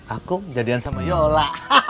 aku jadian sama yola